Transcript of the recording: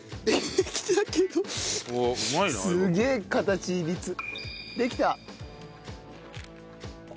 できた！